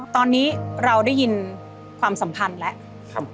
ตอนนี้เราได้ยินความสัมพันธ์แล้ว